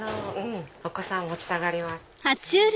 お子さん持ちたがります。